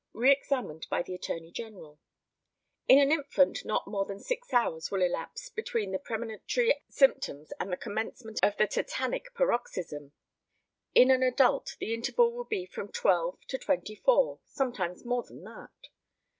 Re examined by the ATTORNEY GENERAL: In an infant not more than six hours will elapse between the premonitory symptoms and the commencement of the tetanic paroxysm; in an adult the interval will be from twelve to twenty four, sometimes more than that.